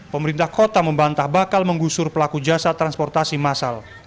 pemerintah kota membantah bakal menggusur pelaku jasa transportasi massal